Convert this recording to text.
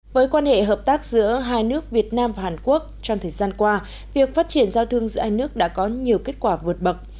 với quan hệ hợp tác giữa hai nước việt nam và hàn quốc trong thời gian qua việc phát triển giao thương giữa hai nước đã có nhiều kết quả vượt bậc